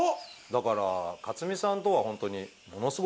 だから克実さんとはホントに。